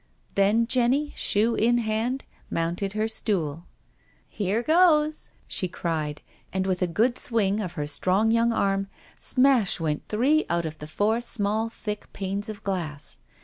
Then Jenny, shoe in hand, mounted her stool. " Here goes," she cried, and with a good swing of her strong young arm, smash went three out of the four small thick panes of glass.